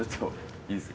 いいですね。